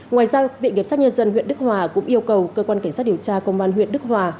ngoài ra viện kiểm sát nhân dân huyện đức hòa cũng yêu cầu cơ quan cảnh sát điều tra công an huyện đức hòa